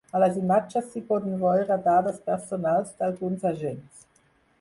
A les imatges s’hi podien veure dades personals d’alguns agents.